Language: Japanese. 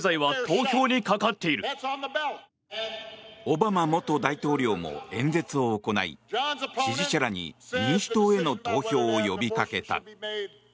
オバマ元大統領も演説を行い支持者らに民主党への投票を呼び掛けた。